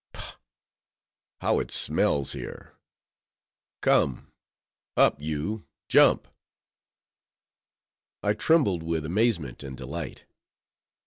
Pah! how it smells here! Come; up you jump!" I trembled with amazement and delight.